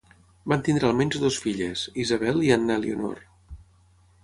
Van tenir almenys dues filles, Isabel i Anna Elionor.